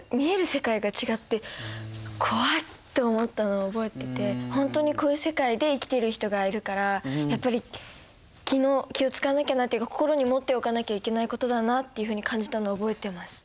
何か見た時にほんとにこういう世界で生きてる人がいるからやっぱり気を使わなきゃなというか心に持っておかなきゃいけないことだなっていうふうに感じたのを覚えてます。